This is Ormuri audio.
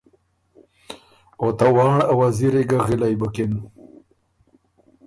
او ته وانړ ا وزیری ګه غلِئ بُکِن۔